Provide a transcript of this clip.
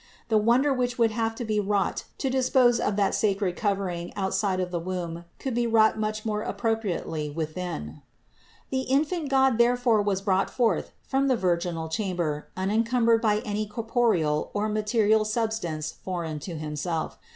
The wonder which would have to be wrought to dispose of that sacred covering out side of the womb could be wrought much more appro priately within. 479. The infant God therefore was brought forth from the virginal chamber unencumbered by any corporeal or material substance foreign to Himself.